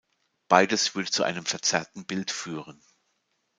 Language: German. Beides würde zu einem verzerrten Bild führen.